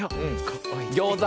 ギョーザ。